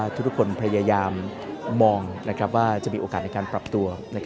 ทุกคนพยายามมองว่าจะมีโอกาสในการปรับตัว